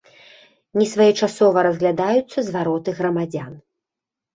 Нясвоечасова разглядаюцца звароты грамадзян.